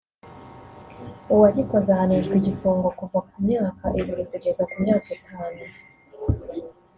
uwagikoze ahanishwa igifungo kuva ku myaka ibiri kugeza ku myaka itanu